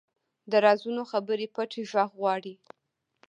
د رازونو خبرې پټه غوږ غواړي